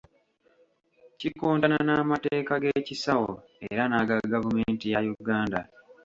Kikontana n’amateeka g’ekisawo era n’aga gavumenti ya Uganda.